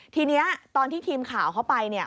ทีนี้ตอนที่ทีมข่าวเข้าไปเนี่ย